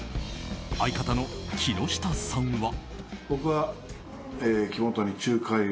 相方の木下さんは。